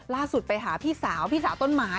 ล่าสุดไปหาพี่สาวพี่สาวต้นไม้